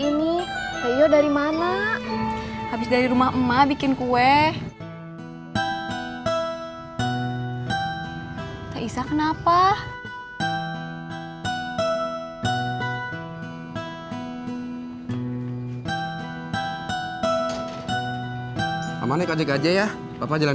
ini kayak dari mana habis dari rumah emak bikin kue tak isah kenapa amane kajek aja ya bapak jalan